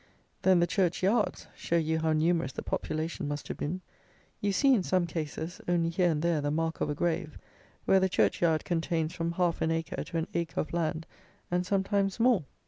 Then the church yards show you how numerous the population must have been. You see, in some cases, only here and there the mark of a grave, where the church yard contains from half an acre to an acre of land, and sometimes more.